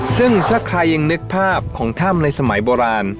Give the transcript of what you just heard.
ซึ่งถ้าใครยังนึกภาพของถ้ำในสมัยโบราณ